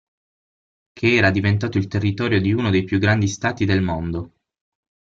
Che era diventato il territorio di uno dei più grandi stati del mondo.